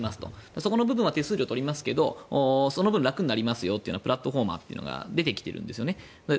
そこの部分は手数料を取りますがその分、楽になりますよというプラットフォーマーというのが出てきているんですよね。